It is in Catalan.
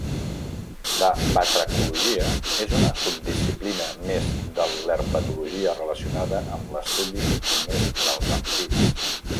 La Batracologia és una subdisciplina més de l'herpetologia relacionada amb l'estudi només dels amfibis.